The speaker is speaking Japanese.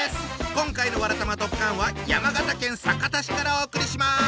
今回の「わらたまドッカン」は山形県酒田市からお送りします。